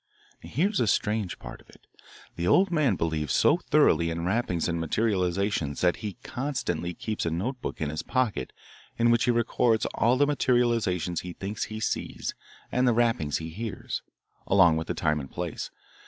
"Here's the strange part of it. The old man believes so thoroughly in rappings and materialisations that he constantly keeps a notebook in his pocket in which he records all the materialisations he thinks he sees and the rappings he hears, along with the time and place.